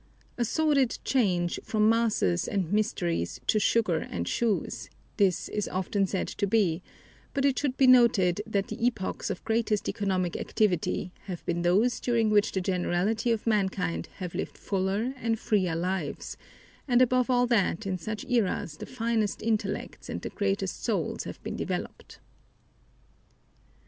A sordid change, from masses and mysteries to sugar and shoes, this is often said to be, but it should be noted that the epochs of greatest economic activity have been those during which the generality of mankind have lived fuller and freer lives, and above all that in such eras the finest intellects and the grandest souls have been developed.